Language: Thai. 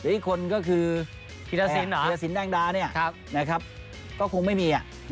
อีกคนก็คือพิทธศิลป์แดงดาก็คงไม่มี